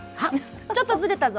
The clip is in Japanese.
ちょっとずれたぞ。